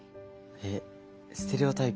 えっステレオタイプじゃん。